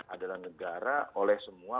adalah negara oleh semua